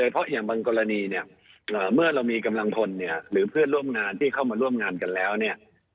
เพราะอย่างบางกรณีเนี่ยเมื่อเรามีกำลังพลเนี่ยหรือเพื่อนร่วมงานที่เข้ามาร่วมงานกันแล้วเนี่ย